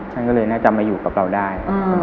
ท่านก็เลยน่าจะมาอยู่กับเราได้